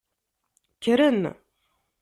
Kkren.